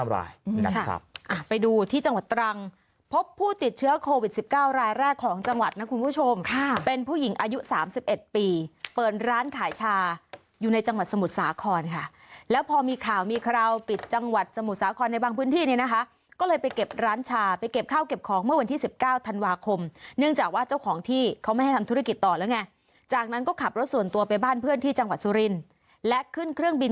ร้านขายชาอยู่ในจังหวัดสมุทรสาครค่ะแล้วพอมีข่าวมีคราวปิดจังหวัดสมุทรสาครในบางพื้นที่นี่นะคะก็เลยไปเก็บร้านชาไปเก็บข้าวเก็บของเมื่อวันที่สิบเก้าธันวาคมเนื่องจากว่าเจ้าของที่เขาไม่ให้ทำธุรกิจต่อแล้วไงจากนั้นก็ขับรถส่วนตัวไปบ้านเพื่อนที่จังหวัดสุรินและขึ้นเครื่องบ